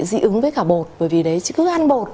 dị ứng với cả bột bởi vì đấy cứ ăn bột